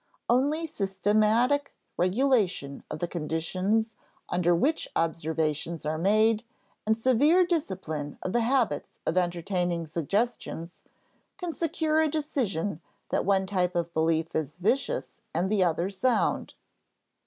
Only systematic regulation of the conditions under which observations are made and severe discipline of the habits of entertaining suggestions can secure a decision that one type of belief is vicious and the other sound.